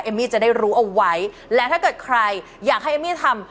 มี่จะได้รู้เอาไว้และถ้าเกิดใครอยากให้เอมมี่ทำ